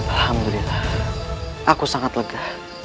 alhamdulillah aku sangat lega